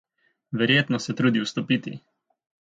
Verjetno se trudi vstopiti.